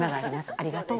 ありがとう。